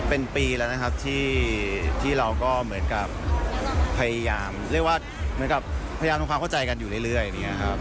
เป็นปีแล้วนะครับที่เราก็เหมือนกับพยายามเรียกว่าเหมือนกับพยายามทำความเข้าใจกันอยู่เรื่อยอย่างนี้ครับ